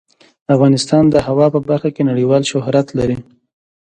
افغانستان د هوا په برخه کې نړیوال شهرت لري.